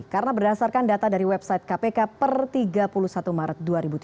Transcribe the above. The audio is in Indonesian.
karena berdasarkan data dari website kpk per tiga puluh satu maret dua ribu tujuh belas